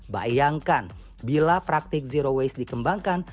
bayangkan bila praktik zero waste dikembangkan